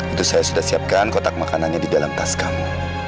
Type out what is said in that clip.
itu saya sudah siapkan kotak makanannya di dalam tas kamu